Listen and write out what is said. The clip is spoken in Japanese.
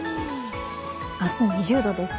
明日、２０度です。